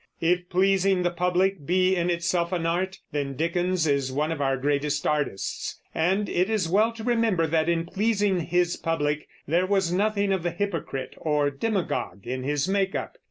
If pleasing the public be in itself an art, then Dickens is one of our greatest artists. And it is well to remember that in pleasing his public there was nothing of the hypocrite or demagogue in his make up.